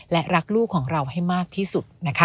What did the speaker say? และรักลูกของเราให้มากที่สุดนะคะ